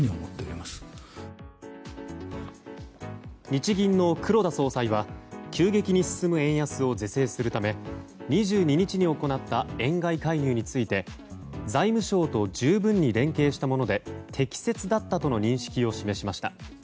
日銀の黒田総裁は急激に進む円安を是正するため２２日に行った円買い介入について財務省と十分に連携したもので適切だったとの認識を示しました。